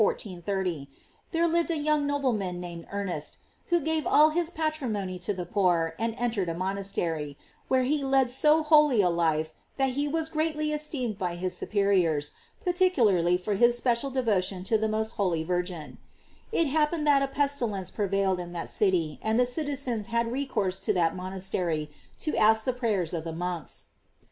It is narrated by Belluacensis that in Ridolio, a city of England, in the year 1430, there lived a young nobleman named Ernest, who gave all his patrimony to the poor, and entered a monas tery, where he led so holy a life that he was great ly esteemed by his superiors, particularly for his special devotion to the most holy Virgin. It happened that a pestilence prevailed in that city and the citizens had recourse to that monastery to ask the prayers of the monks.